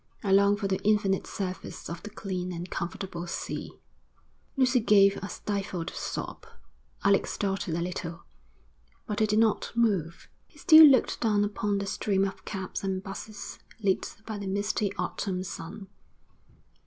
I long for the infinite surface of the clean and comfortable sea.' Lucy gave a stifled sob. Alec started a little, but he did not move. He still looked down upon the stream of cabs and 'buses, lit by the misty autumn sun.